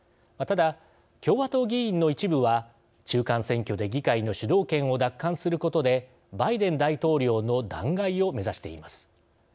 ただ、共和党議員の一部は中間選挙で議会の主導権を奪還することでバイデン大統領の弾劾を目指しています。